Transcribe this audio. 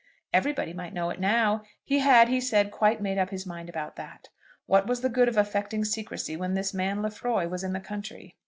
Everybody might know it now. He had, he said, quite made up his mind about that. What was the good of affecting secrecy when this man Lefroy was in the country?